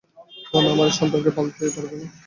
ভানু, আমরা এই সন্তানকে পালতে পারব না।